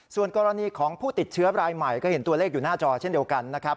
ส่วนกรณีของผู้ติดเชื้อรายใหม่ก็เห็นตัวเลขอยู่หน้าจอเช่นเดียวกันนะครับ